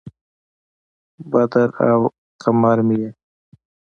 بدر او قمر مې یې